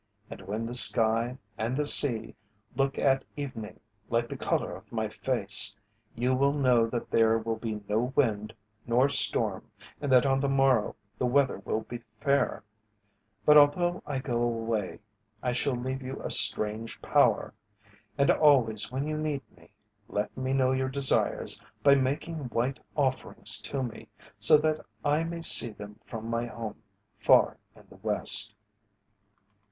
And when the sky and the sea look at evening like the colour of my face, you will know that there will be no wind nor storm and that on the morrow the weather will be fair. But although I go away, I shall leave you a strange power. And always when you need me, let me know your desires by making white offerings to me, so that I may see them from my home far in the west."